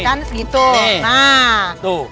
kan segitu nah